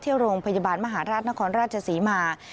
ที่โรงพยาบาลมหาราชนครราชศรีมา